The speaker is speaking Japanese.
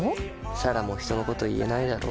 彩良も人のこと言えないだろ。